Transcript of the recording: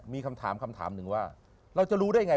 มีคำถามหนึ่งว่าเราจะรู้ได้ไง